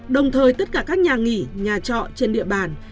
đồng thời tất cả các nhà nghỉ nhà trọ trên địa bàn